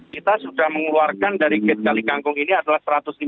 kita sudah mengeluarkan dari gate kalikangkung ini adalah satu ratus lima puluh